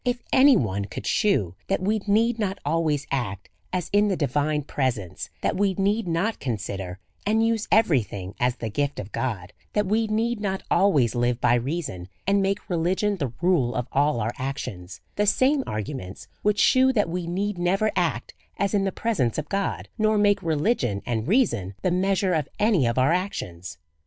If any one could shew that we need not always act as in the divine presence, that we need not consider and use every thing as the gift of God, that we need not always live by reason, and make religion the rule of all our actions, the same arguments would shew that we need never act as in the presence of God, nor make religion and reason the measure of any of our actions.